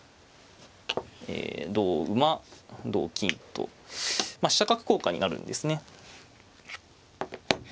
え同馬同金と飛車角交換になるんですね。